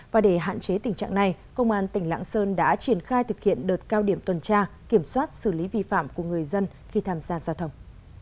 và để hạn chế tình trạng này công an tỉnh lạng sơn đã triển khai thực hiện đợt cao điểm tuần tra kiểm soát xử lý vi phạm của người dân khi tham gia giao thông